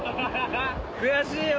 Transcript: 悔しいよ！